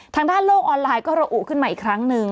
ทางด้านโลกออนไลน์ก็ระอุขึ้นมาอีกครั้งหนึ่ง